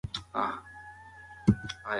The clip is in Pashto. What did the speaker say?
ټولنپوهنه د ذهن د روښانتیا سبب کیږي.